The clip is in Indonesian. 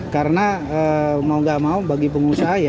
karena mau gak mau bagi pengusaha